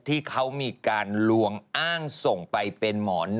ที่เขามีการลวงอ้างส่งไปเป็นหมอน